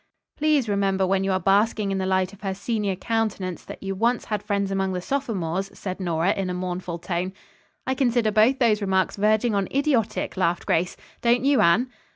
"Please remember when you are basking in the light of her senior countenance that you once had friends among the sophomores," said Nora in a mournful tone. "I consider both those remarks verging on idiotic," laughed Grace. "Don't you, Anne?"